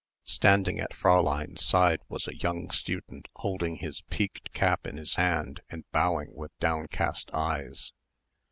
Standing at Fräulein's side was a young student holding his peaked cap in his hand and bowing with downcast eyes.